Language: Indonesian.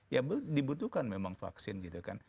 ya dibutuhkan memang vaksin gitu kan